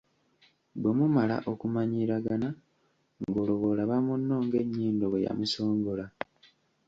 Bwe mumala okumanyiiragana, ng'olwo bw'olaba munno ng'enyindo bwe yamusongola.